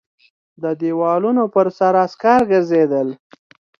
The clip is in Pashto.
د دېوالونو پر سر عسکر ګرځېدل.